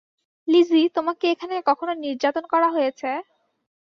Lessee তোমাকে এখানে কখনো নির্যাতন করা হয়েছে?